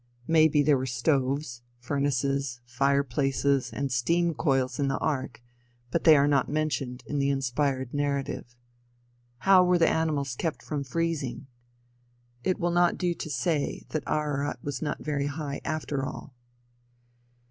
May be there were stoves, furnaces, fire places and steam coils in the ark, but they are not mentioned in the inspired narrative. How were the animals kept from freezing? It will not do to say that Ararat was not very high after all.